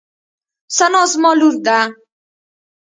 ثنا زما لور ده.